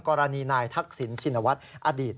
กรณีนายทักษิณชินวัฒน์อดีต